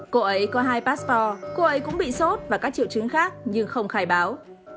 cô ấy có hai passport cô ấy cũng bị sốt và các triệu chứng khác nhưng không khai báo